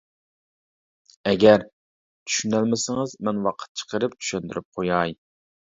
ئەگەر چۈشىنەلمىسىڭىز مەن ۋاقىت چىقىرىپ چۈشەندۈرۈپ قوياي.